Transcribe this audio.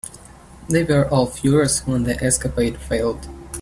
They were all furious when the escapade failed.